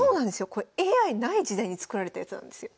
これＡＩない時代に作られたやつなんですよ。